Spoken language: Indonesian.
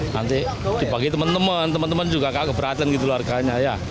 nanti dibagi temen temen temen temen juga kakak keberatan gitu loh harganya ya